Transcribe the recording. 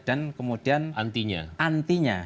dan kemudian antinya